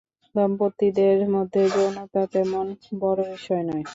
দম্পতিদের মধ্যে যৌনতা তেমন বড় বিষয় নয়।